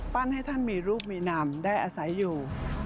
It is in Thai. ปั้นให้ท่านมีรูปมีนามได้อาศัยอยู่